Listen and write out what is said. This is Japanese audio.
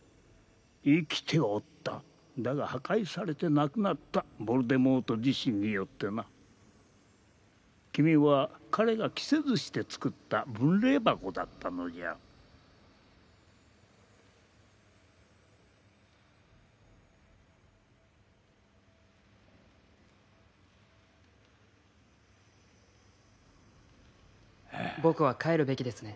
生きておっただが破壊されてなくなったヴォルデモート自身によってな君は彼が期せずしてつくった分霊箱だったのじゃ僕は帰るべきですね